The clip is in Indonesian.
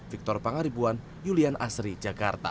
victor pangaribuan julian asri jakarta